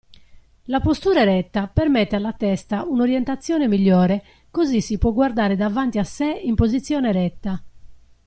La postura eretta permette alla testa un orientazione migliore così si può guardare davanti a sé in posizione eretta.